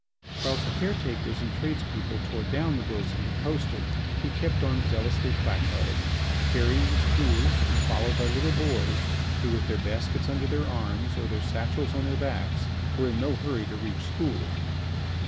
Whilst caretakers and tradespeople tore down the bills he had posted, he kept on zealously placarding, carrying his tools and followed by little boys who, with their baskets under their arms or their satchels on their backs, were in no hurry to reach school.